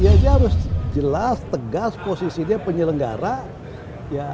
ya dia harus jelas tegas posisinya penyelenggara ya